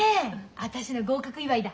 私の合格祝だ。